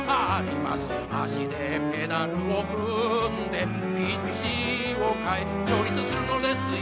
足でペダルを踏んでピッチを変え調律するのですよ